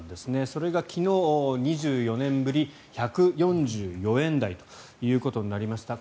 それが昨日、２４年ぶり１４４円台ということになりました。